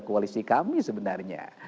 koalisi kami sebenarnya